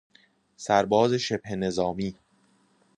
سرباز شبه نظامی